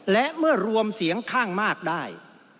และเมื่อรวมเสียงข้างมากได้